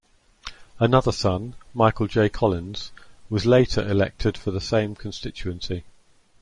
Another son, Michael J. Collins was later elected for the same constituency.